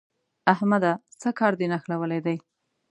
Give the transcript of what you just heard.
احمده! څه کار دې نښلولی دی؟